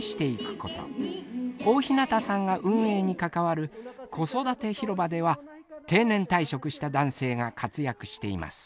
大日向さんが運営に関わる子育てひろばでは定年退職した男性が活躍しています。